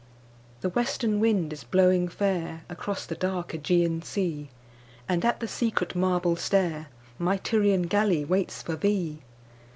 THE WESTERN wind is blowing fairAcross the dark Ægean sea, And at the secret marble stairMy Tyrian galley waits for thee.